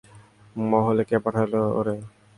মহলে, কে পাঠাইলো ওরে?